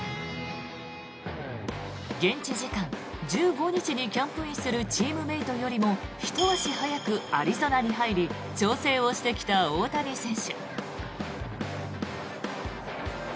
現地時間１５日にキャンプインするチームメートよりもひと足早くアリゾナに入り調整をしてきた大谷選手。